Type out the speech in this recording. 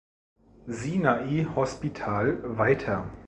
Sinai Hospital weiter.